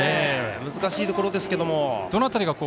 難しいところですけれども。